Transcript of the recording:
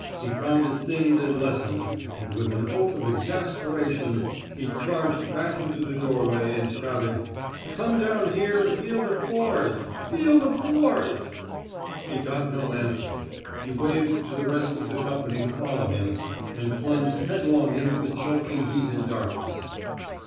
He found it thinned and lessened, and with an oath of exasperation he charged back into the door 230 A QUESTION OF EETIEEMENT way and shouted, '* Come down here an* feel the floors I Feel the floors I *' He got no answer. He waved to the rest of the company to follow him, and plunged headlong into the choking heat and darkness.